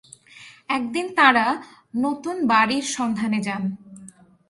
একদিন তাঁরা নতুন বাড়ির সন্ধানে যান।